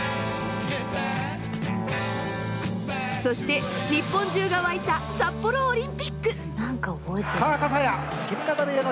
そして日本中が沸いた札幌オリンピック！